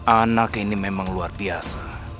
anak ini memang luar biasa